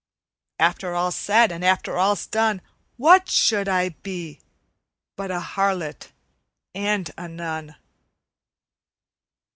After all's said and after all's done, What should I be but a harlot and a nun?